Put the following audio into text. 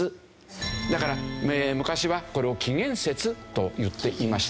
だから昔はこれを紀元節と言っていました。